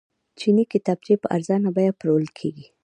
چیني کتابچې په ارزانه بیه پلورل کیږي.